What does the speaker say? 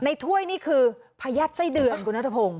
ถ้วยนี่คือพยัดไส้เดือนคุณนัทพงศ